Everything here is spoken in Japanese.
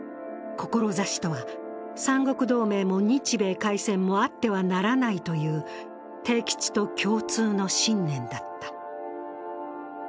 志とは三国同盟も日米開戦もあってはならないという悌吉と共通の信念だった。